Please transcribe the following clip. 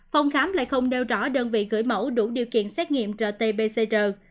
phòng khám lại không đeo rõ đơn vị gửi mẫu đủ điều kiện xét nghiệm rt pcr